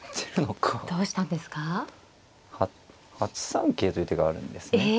８三桂という手があるんですね。